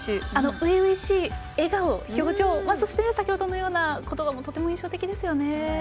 初々しい笑顔、表情そして先ほどのような言葉もとても印象的ですよね。